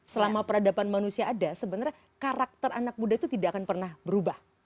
selama peradaban manusia ada sebenarnya karakter anak muda itu tidak akan pernah berubah